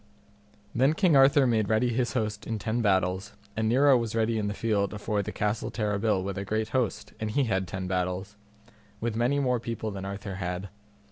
Then King Arthur made ready his host in ten battles and Nero was ready in the field afore the Castle Terrabil with a great host, and he had ten battles, with many more people than Arthur had.